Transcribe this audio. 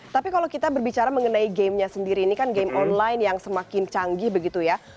tapi kalau kita berbicara mengenai gamenya sendiri ini kan game online yang semakin canggih begitu ya